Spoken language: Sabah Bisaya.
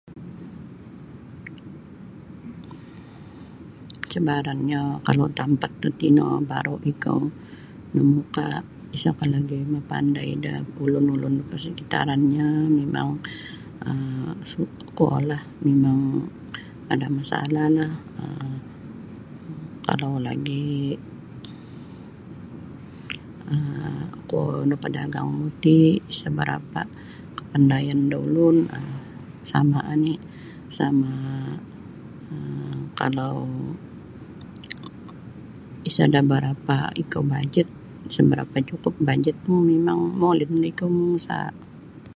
Cabarannyo kalau tampat tatino baru ikou namuka' isa ko lagi mapandai da ulun-ulun da parsakitarannyo mimang um kuolah ada masalahlah um kalau lagi' um kuo napadagangmu ti isa' barapa' kapandayan da ulun um sama' oni sama kalau isa' da barapa' ikou bajet isa' barapa' cukup bajetmu mimang molinlah ikou mangusaha'.